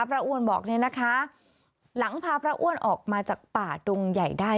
อ้วนบอกเนี่ยนะคะหลังพาพระอ้วนออกมาจากป่าดงใหญ่ได้